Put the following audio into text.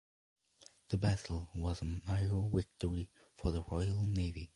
The battle was a major victory for the Royal Navy.